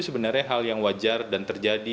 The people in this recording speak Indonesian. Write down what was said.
sebenarnya hal yang wajar dan terjadi